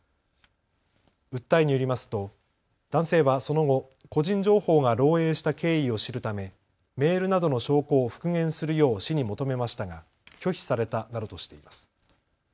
訴えによりますと男性はその後、個人情報が漏えいした経緯を知るためメールなどの証拠を復元するよう市に求めましたが拒否されたなどとしています。